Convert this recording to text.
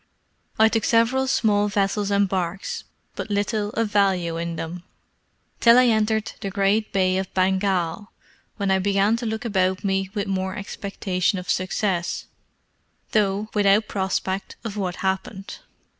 I took several small vessels and barks, but little of value in them, till I entered the great Bay of Bengal, when I began to look about me with more expectation of success, though without prospect of what happened.